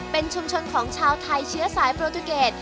เป็นชุมชนของชาวไทยเชื้อสายโปรตูเกต